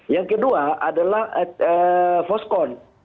yang kedua adalah voscon